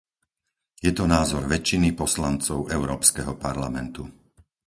Je to názor väčšiny poslancov Európskeho parlamentu.